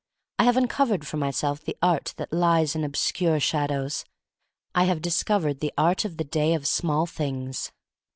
I have uncov ered for myself the art that lies in obscure shadows. I have discovered the art of the day of small things.